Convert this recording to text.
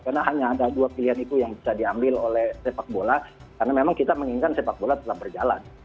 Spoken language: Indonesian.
karena hanya ada dua pilihan itu yang bisa diambil oleh sepak bola karena memang kita menginginkan sepak bola tetap berjalan